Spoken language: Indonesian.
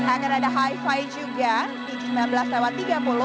akan ada hi fi juga di sembilan belas lewat tiga puluh